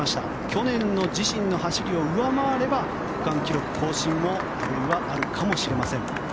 去年の自身の走りを上回れば区間記録更新もあるいはあるかもしれません。